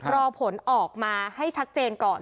รอผลออกมาให้ชัดเจนก่อน